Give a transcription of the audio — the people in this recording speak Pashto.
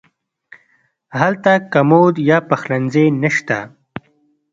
هلته کمود یا پخلنځی نه شته.